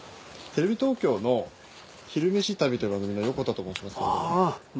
テレビ東京の「昼めし旅」という番組の横田と申しますけども。